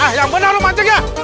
ah yang benar lu mancing ya